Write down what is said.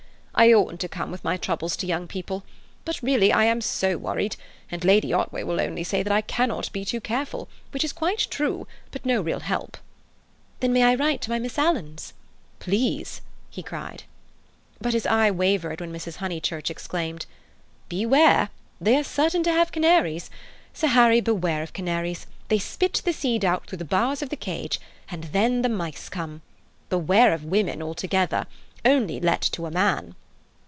"I oughtn't to come with my troubles to young people. But really I am so worried, and Lady Otway will only say that I cannot be too careful, which is quite true, but no real help." "Then may I write to my Misses Alan?" "Please!" But his eye wavered when Mrs. Honeychurch exclaimed: "Beware! They are certain to have canaries. Sir Harry, beware of canaries: they spit the seed out through the bars of the cages and then the mice come. Beware of women altogether. Only let to a man."